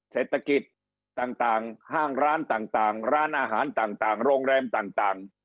เศรษฐกิจต่างห้างร้านต่างร้านอาหารต่างโรงแรมต่าง